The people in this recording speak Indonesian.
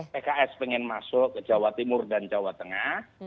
pks pengen masuk ke jawa timur dan jawa tengah